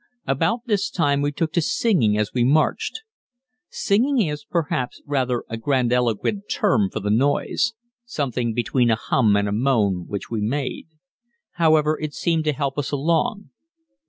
About this time we took to singing as we marched. Singing is, perhaps, rather a grandiloquent term for the noise something between a hum and a moan which we made. However, it seemed to help us along.